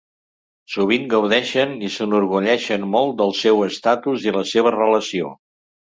Sovint gaudeixen i s'enorgulleixen molt del seu estatus i la seva relació.